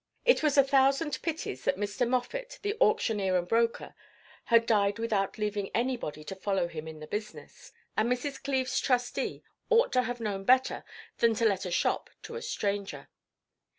It was a thousand pities that Mr. Moffat, the auctioneer and broker, had died without leaving anybody to follow him in the business, and Mrs. Cleve's trustee ought to have known better than to let a shop to a stranger.